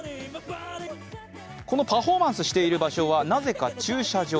このパフォーマンスしている場所は、なぜか駐車場。